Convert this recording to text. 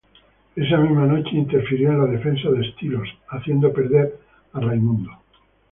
Esa misma noche, interfirió en la defensa de Styles, haciendo perder a Ray.